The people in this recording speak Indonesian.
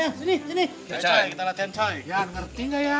ya ngerti gak ya